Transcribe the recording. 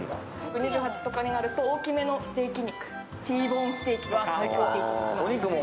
１２８とかになると、大きめのステーキ肉、ティーボーンステーキとか。